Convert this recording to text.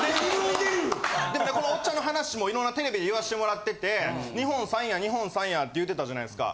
おっちゃんの話も色んなテレビで言わせてもらってて日本３位や日本３位やって言ってたじゃないですか。